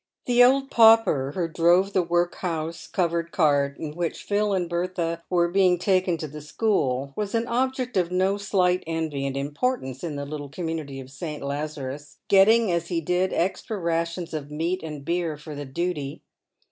The old pauper, who drove the workhouse covered cart in which Phil and Bertha were being taken to the school, was an object of no slight envy and importance in the little community of St. Lazarus, getting, as he did, extra rations of meat and beer for the duty.